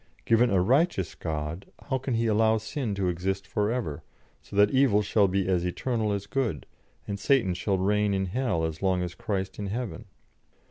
Given a righteous God, how can He allow sin to exist for ever, so that evil shall be as eternal as good, and Satan shall reign in hell as long as Christ in heaven?